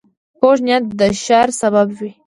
کوږ نیت د شر سبب وي